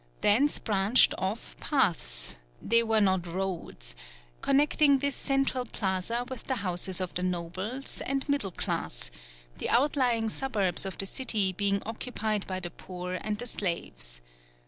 Thence branched off paths (they were not roads) connecting this central plaza with the houses of the nobles and middle class, the outlying suburbs of the city being occupied by the poor and the slaves.